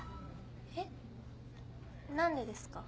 えっ？何でですか？